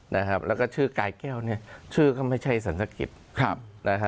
และชื่อกายแก้วชื่อก็ไม่ใช่สรรพกิจ